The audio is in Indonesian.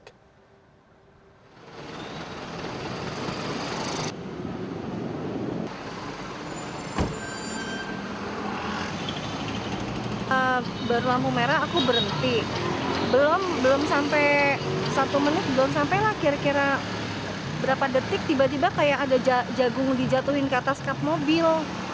ketika berhenti di lampu merah belum sampai satu menit belum sampai lah kira kira berapa detik tiba tiba kayak ada jagung dijatuhin ke atas kap mobil